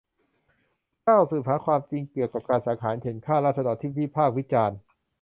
เก้า สืบหาความจริงเกี่ยวกับการสังหารเข่นฆ่าราษฎรที่วิพากษ์วิจารณ์